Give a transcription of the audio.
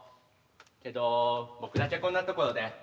けど僕だけこんなところで。